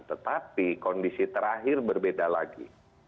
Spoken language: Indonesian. tetapi kondisi terakhir berbeda lagi